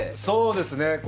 そうですね。